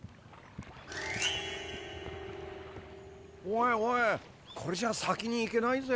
おいおいこれじゃ先に行けないぜ。